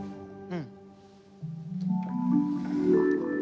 うん。